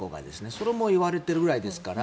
それも言われているぐらいですから。